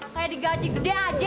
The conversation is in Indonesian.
kayak digaji gede aja